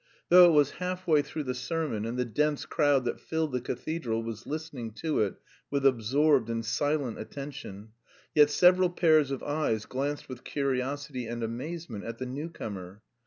Though it was half way through the sermon, and the dense crowd that filled the cathedral was listening to it with absorbed and silent attention, yet several pairs of eyes glanced with curiosity and amazement at the new comer.